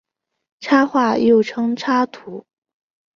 插画又称插图。